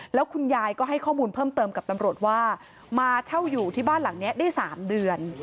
แล้วคุณยายก็ให้ข้อมูลเพิ่มเติมกับตำรวจว่ามาเช่าอยู่ที่บ้านหลังนี้ได้๓เดือน